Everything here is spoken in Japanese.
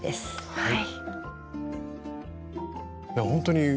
はい！